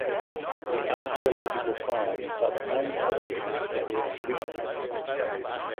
The archaeological finds are the main objects of the exhibition.